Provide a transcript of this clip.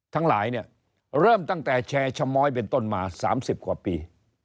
ทั้งหลายเนี่ยเริ่มตั้งแต่แชร์ชะม้อยเป็นต้นมา๓๐กว่าปี